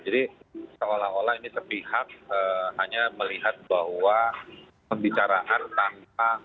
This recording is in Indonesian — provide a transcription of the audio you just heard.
jadi seolah olah ini sepihak hanya melihat bahwa pembicaraan tanpa